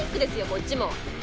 こっちも」